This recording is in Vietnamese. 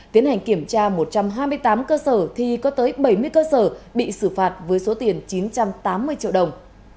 tiến hành kiểm tra một trăm hai mươi tám cơ sở thì có tới bảy mươi cơ sở bị xử phạt với số tiền chín trăm tám mươi triệu đồng